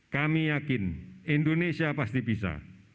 kami yakin indonesia pasti bisa